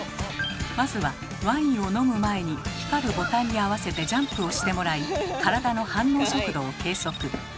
まずはワインを飲む前に光るボタンに合わせてジャンプをしてもらい体の反応速度を計測。